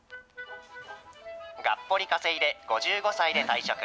がっぽり稼いで、５５歳で退職。